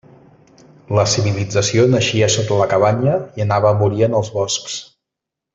La civilització naixia sota la cabanya i anava a morir en els boscs.